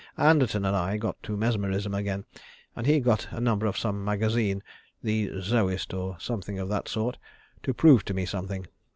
Anderton and I got to mesmerism again, and he got a number of some magazine the "Zoist," or something of that sort to prove to me something.